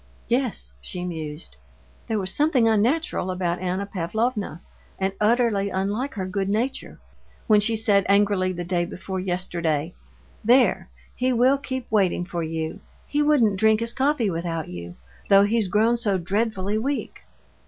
"Yes," she mused, "there was something unnatural about Anna Pavlovna, and utterly unlike her good nature, when she said angrily the day before yesterday: 'There, he will keep waiting for you; he wouldn't drink his coffee without you, though he's grown so dreadfully weak.